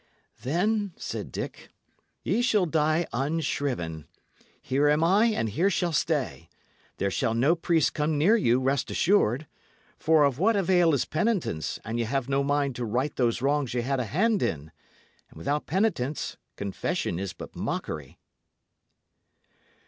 "Then," said Dick, "ye shall die unshriven. Here am I, and here shall stay. There shall no priest come near you, rest assured. For of what avail is penitence, an ye have no mind to right those wrongs ye had a hand in? and without penitence, confession is but mockery."